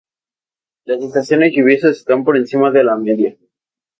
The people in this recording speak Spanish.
Las estaciones lluviosas están por encima de la media.